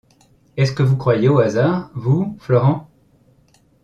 Est-ce que vous croyez au hasard, vous, Florent ?